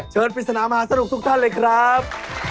ปริศนามหาสนุกทุกท่านเลยครับ